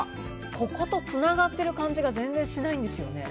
耳とつながってる感じが全然しないんですよね。